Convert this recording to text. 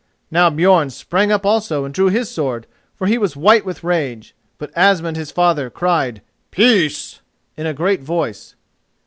Now Björn sprang up also and drew his sword, for he was white with rage; but Asmund his father cried, "Peace!" in a great voice.